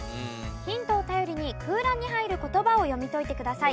ヒントを頼りに空欄に入る言葉を読み解いてください。